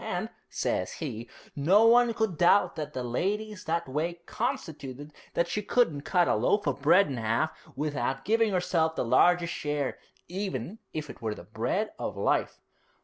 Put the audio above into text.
And," says he, "no one could doubt that the lady's that way constituted that she couldn't cut a loaf of bread in 'alf without giving herself the largest share, even if it were the bread of life."'